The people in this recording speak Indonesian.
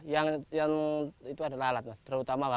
yang itu adalah lalat terutama wabah